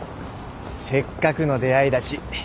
せっかくの出会いだし。